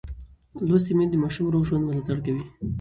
لوستې میندې د ماشوم روغ ژوند ملاتړ کوي.